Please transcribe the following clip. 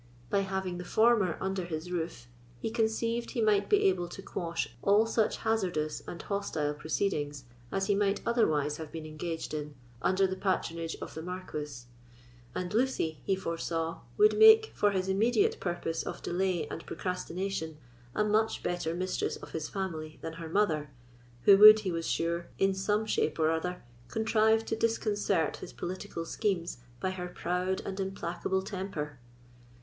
By having the former under his roof, he conceived he might be able to quash all such hazardous and hostile proceedings as he might otherwise have been engaged in, under the patronage of the Marquis; and Lucy, he foresaw, would make, for his immediate purpose of delay and procrastination, a much better mistress of his family than her mother, who would, he was sure, in some shape or other, contrive to disconcert his political schemes by her proud and implacable temper.